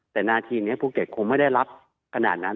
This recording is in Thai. แต่นาทีนี้ภูเก็ตคงไม่ได้รับขนาดนั้น